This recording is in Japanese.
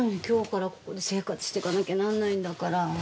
今日からここで生活していかなきゃなんないんだから。